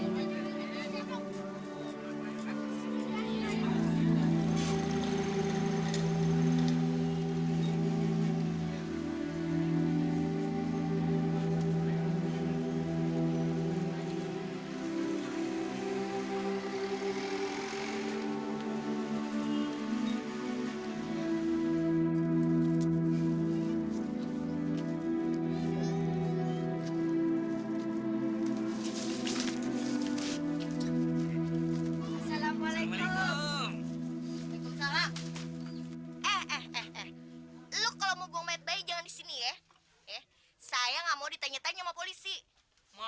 nih daftar jakatnya udah selesai jadi udah bisa dikirim